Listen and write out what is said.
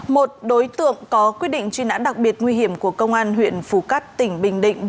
một đối tượng có quyết định truy nãn đặc biệt nguy hiểm của công an huyện phù cát tỉnh bình định